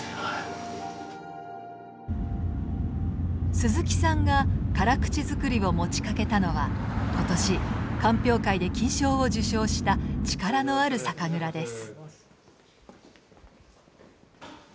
鈴木さんが辛口造りを持ちかけたのは今年鑑評会で金賞を受賞した力のある酒蔵です。